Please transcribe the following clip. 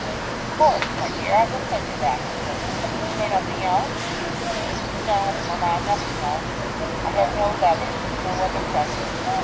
"Of course, my dear, I will send it back to him. Is there nothing else?" "No, mamma; nothing else. I have no letters, and no other present.